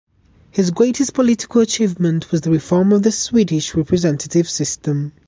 His greatest political achievement was the reform of the Swedish representative system.